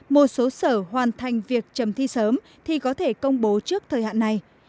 một số sở hoàn thành việc chấm thi sớm thì có thể công bố trước thời hạn này